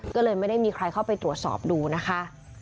ก็เลยไม่ได้มีใครเข้าไปตรวจสอบดูนะคะ